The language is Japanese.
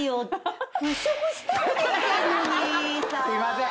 すいません。